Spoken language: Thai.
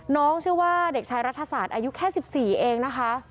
น้องชื่อว่าเด็กชายรัฐศาสตร์อายุแค่๑๔เองนะคะ